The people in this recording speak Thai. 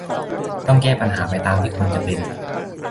ต้องแก้ปัญหาไปตามที่ควรจะเป็น